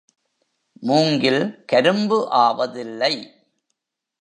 மூங்கில் கரும்பு ஆவதில்லை.